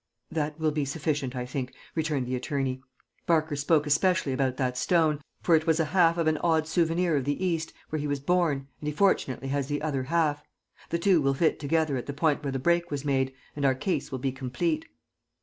"That will be sufficient, I think," returned the attorney. "Barker spoke especially about that stone, for it was a half of an odd souvenir of the East, where he was born, and he fortunately has the other half. The two will fit together at the point where the break was made, and our case will be complete."